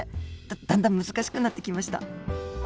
だんだん難しくなってきました。